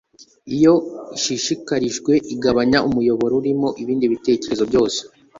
Iyo ishishikarijwe, igabanya umuyoboro urimo ibindi bitekerezo byose. ”